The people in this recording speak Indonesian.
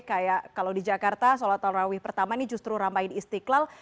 kayak kalau di jakarta sholat tarawih pertama ini justru ramai di istiqlal